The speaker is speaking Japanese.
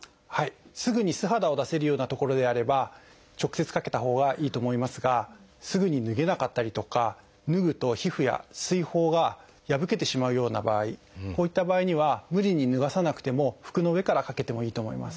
すぐに素肌を出せるような所であれば直接かけたほうがいいと思いますがすぐに脱げなかったりとか脱ぐと皮膚や水ほうが破けてしまうような場合こういった場合には無理に脱がさなくても服の上からかけてもいいと思います。